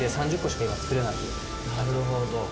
なるほど。